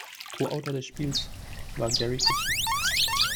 Co-Autor des Spiels war Garry Kitchen.